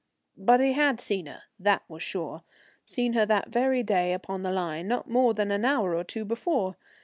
But he had seen her, that was sure seen her that very day upon the line, not more than an hour or two before.